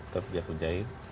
tetap dia kunjai